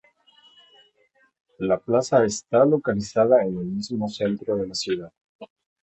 La plaza está localizada en el mismo centro de la ciudad.